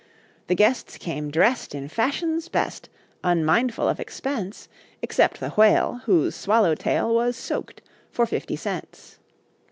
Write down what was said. The guests came dressed, In fashion's best, Unmindful of expense; Except the whale, Whose swallowtail, Was "soaked" for fifty cents.